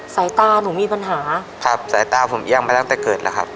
สายตาหนูมีปัญหาครับสายตาผมแย่งไปตั้งแต่เกิดแล้วครับ